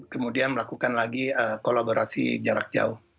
kemudian melakukan lagi kolaborasi jarak jauh